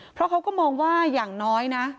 เพราะเขาก็มองว่าอย่างน้อยนะ